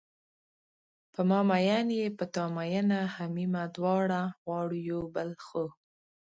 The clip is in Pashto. په ما میین یې په تا مینه همیمه دواړه غواړو یو بل خو